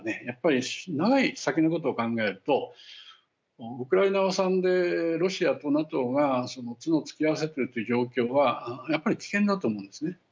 やっぱり長い先のことを考えるとウクライナを挟んでロシアとＮＡＴＯが角を突き合わせてるという状況はやっぱり危険だと思うんですね。